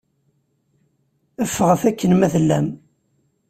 Ffɣet akken ma tellam.